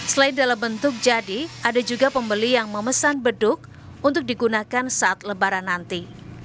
selain dalam bentuk jadi ada juga pembeli yang memesan beduk untuk digunakan saat lebaran nanti